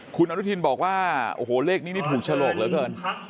คุณอนุทินบอกว่าโอ้โหเลขนี้นี่ถูกฉลกเหลือเกิน